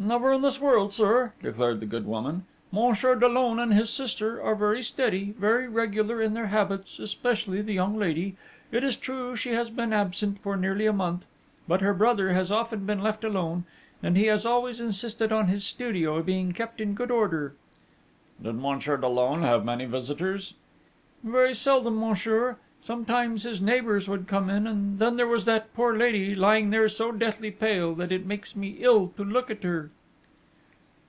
'Never in this world, sir!' declared the good woman. 'Monsieur Dollon and his sister are very steady, very regular in their habits, especially the young lady. It is true that she has been absent for nearly a month, but her brother has often been left alone, and he has always insisted on his studio being kept in good order.' 'Did Monsieur Dollon have many visitors?' 'Very seldom, monsieur. Sometimes his neighbours would come in; and then there was that poor lady lying there so deathly pale that it makes me ill to look at her....'